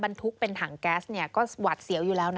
บรรทุกเป็นถังแก๊สก็หวาดเสียวอยู่แล้วนะ